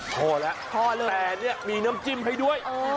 พอแล้วแต่มีน้ำจิ้มให้ด้วย